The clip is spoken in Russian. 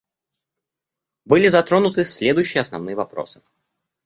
Были затронуты следующие основные вопросы.